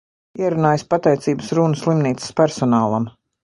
Ierunājis pateicības runu slimnīcas personālam.